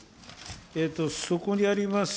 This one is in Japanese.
そこにあります